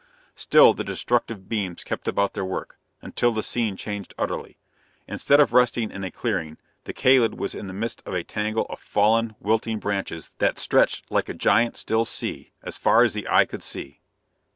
Still the destructive beams kept about their work, until the scene changed utterly. Instead of resting in a clearing, the Kalid was in the midst of a tangle of fallen, wilting branches that stretched like a great, still sea, as far as the eye could see.